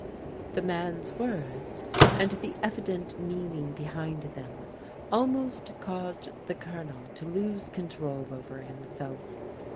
The man's words, and the evident meaning behind them, almost caused the Colonel to lose control over him self.